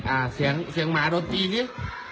อ่าเสียงหมาโดดตีสิ